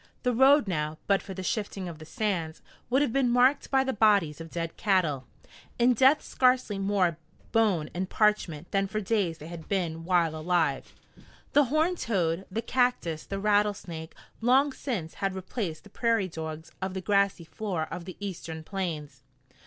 The road now, but for the shifting of the sands, would have been marked by the bodies of dead cattle, in death scarcely more bone and parchment than for days they had been while alive. The horned toad, the cactus, the rattlesnake long since had replaced the prairie dogs of the grassy floor of the eastern Plains.